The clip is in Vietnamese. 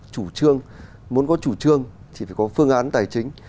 chủ trương muốn có chủ trương thì phải có phương án tài chính